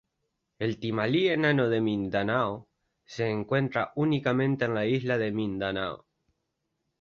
El timalí enano de Mindanao se encuentra únicamente en la isla de Mindanao.